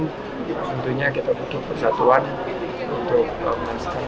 tentunya kita butuh persatuan untuk memastikan